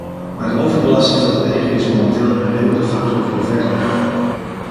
Maar de overbelasting van de wegen is momenteel een remmende factor voor verdere groei.